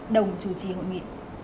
đồng chủ trì hội nghị